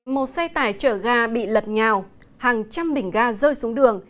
một xe tải chở ga bị lật nhào hàng trăm bình ga rơi xuống đường